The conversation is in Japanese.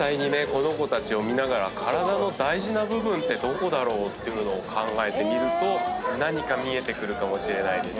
この子たちを見ながら体の大事な部分ってどこだろうっていうのを考えてみると何か見えてくるかもしれないです。